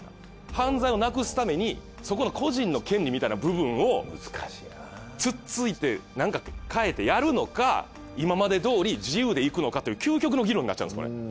犯罪をなくすためにそこの個人の権利みたいな部分を突っついてなんか変えてやるのか今までどおり自由でいくのかという究極の議論になっちゃうんですこれ。